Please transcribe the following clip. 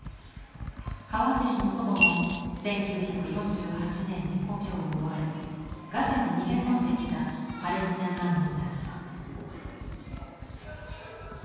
ハワジリの祖母も１９４８年に故郷を追われガザに逃げ込んできたパレスチナ難民だった。